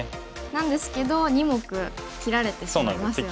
なんですけど２目切られてしまいますよね。